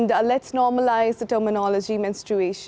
mari kita normalisasi terminologi menstruasi